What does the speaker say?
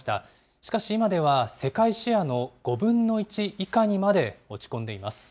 しかし今では世界シェアの５分の１以下にまで落ち込んでいます。